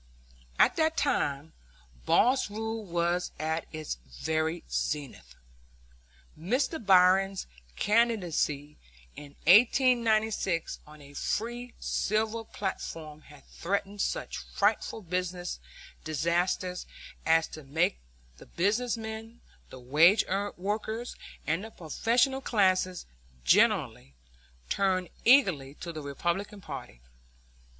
At that time boss rule was at its very zenith. Mr. Bryan's candidacy in 1896 on a free silver platform had threatened such frightful business disaster as to make the business men, the wage workers, and the professional classes generally, turn eagerly to the Republican party.